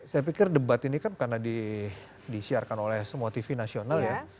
saya pikir debat ini kan karena disiarkan oleh semua tv nasional ya